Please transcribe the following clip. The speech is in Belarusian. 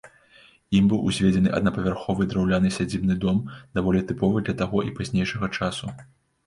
Ім быў узведзены аднапавярховы драўляны сядзібны дом, даволі тыповы для таго і пазнейшага часу.